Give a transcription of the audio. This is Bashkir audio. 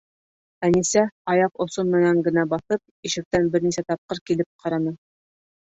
Әнисә, аяҡ осо менән генә баҫып, ишектән бер нисә тапҡыр килеп ҡараны.